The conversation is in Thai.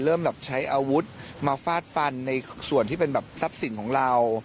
เริ่มใช้อาวุธมาฟาดฟันในส่วนที่เป็นซับสินของเรา